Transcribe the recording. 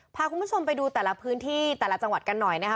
พาคุณผู้ชมไปดูแต่ละพื้นที่แต่ละจังหวัดกันหน่อยนะคะ